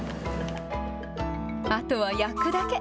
あとは焼くだけ。